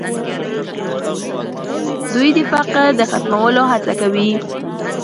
دوی د فقر د ختمولو هڅه کوي.